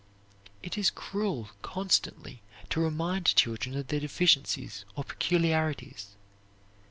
It is cruel constantly to remind children of their deficiencies or peculiarities.